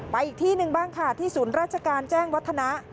อีกที่หนึ่งบ้างค่ะที่ศูนย์ราชการแจ้งวัฒนะ